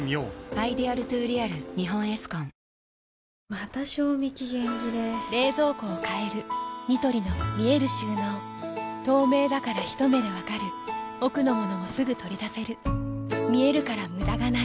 また賞味期限切れ冷蔵庫を変えるニトリの見える収納透明だからひと目で分かる奥の物もすぐ取り出せる見えるから無駄がないよし。